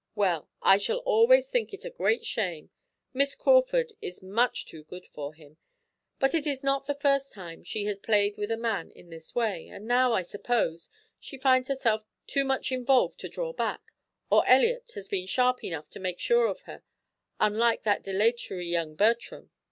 Well, I shall always think it a great shame. Miss Crawford is much too good for him, but it is not the first time she has played with a man in this way, and now, I suppose she finds herself too much involved to draw back, or Elliot has been sharp enough to make sure of her, unlike that dilatory young Bertram."